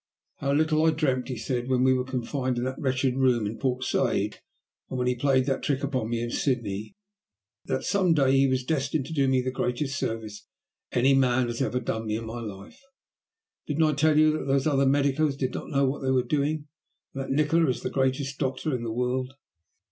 "How little I dreamt," he said, "when we were confined in that wretched room in Port Said, and when he played that trick upon me in Sydney, that some day he was destined to do me the greatest service any man has ever done me in my life. Didn't I tell you that those other medicos did not know what they were doing, and that Nikola is the greatest doctor in the world?"